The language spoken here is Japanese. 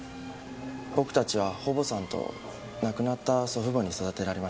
僕たちは保母さんと亡くなった祖父母に育てられました。